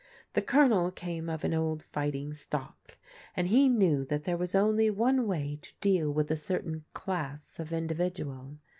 The Colonel came of an old fighting stock and he knew that there was only one way to deal with a certain class of individual.